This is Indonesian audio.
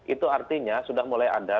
itu artinya sudah mulai ada